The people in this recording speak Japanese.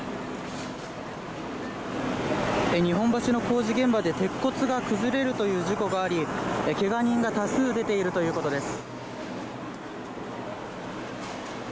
日本橋の工事現場で鉄骨が崩れるという事故があり、けが人が多数出ているということです。